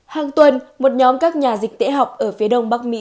hàng tuần một nhóm các nhà dịch tễ học ở phía đông bắc mỹ